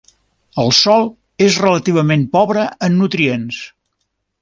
El sòl és relativament pobre en nutrients.